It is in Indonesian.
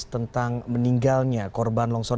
tentang meninggalnya korban longsor